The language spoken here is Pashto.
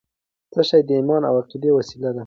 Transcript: څه شی د ایمان او عقیدې وسله ده؟